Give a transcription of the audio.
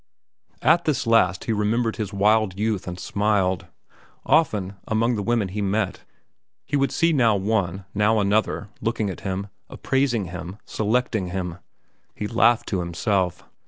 At this last he remembered his wild youth and smiled. Often, among the women he met, he would see now one, now another, looking at him, appraising him, selecting him. He laughed to himself.